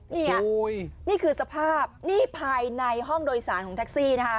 นี่นี่คือสภาพนี่ภายในห้องโดยสารของแท็กซี่นะคะ